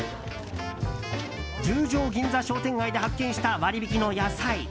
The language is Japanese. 十条銀座商店街で発見した割引の野菜。